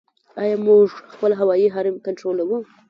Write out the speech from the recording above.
آیا موږ خپل هوایي حریم کنټرولوو؟